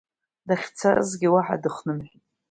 Дахьцазгьы уаҳа дыхнымҳәит.